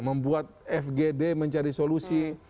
membuat fgd mencari solusi